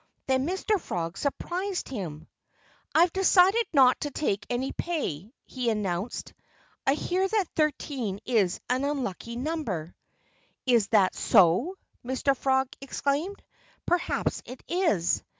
Then Mr. Frog surprised him. "I've decided not to take any pay," he announced. "I hear that thirteen is an unlucky number." "Is that so?" Mr. Frog exclaimed. "Perhaps it is.